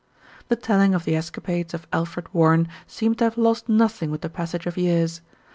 The telling of the escapades of Alfred Warren seemed to have lost nothing with the passage of years.